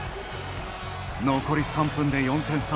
残り３分で４点差。